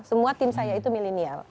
semua tim saya itu milenial